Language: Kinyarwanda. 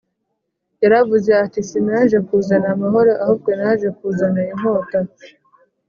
yaravuze ati, “sinaje kuzana amahoro, ahubwo naje kuzana inkota